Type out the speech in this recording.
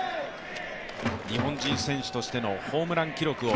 日本人選手としてのホームラン記録を